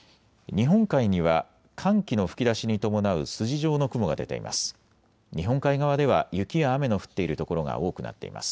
日本海には寒気の吹き出しに伴う筋状の雲が出ています。